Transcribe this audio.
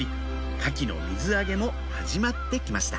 カキの水揚げも始まって来ました